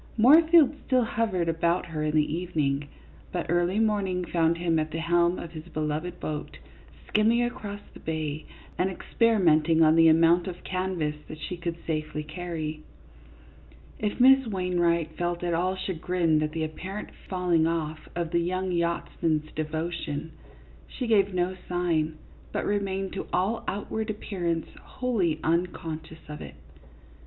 Moorfield still hovered about her in the evening, but early morning found him at the helm of his beloved boat, skimming across the bay and experimenting on the amount of canvas that she could safely carry. CLYDE MOORFIELD, YACHTSMAN. 5! If Miss Wainwright felt at all chagrined at the apparent falling oft of the young yachtsman's de votion, she gave no sign, but remained to all out ward appearance wholly unconscious of it.